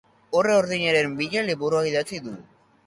Urre urdinaren bila liburua idatzi du.